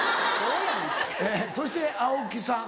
そして青木さん。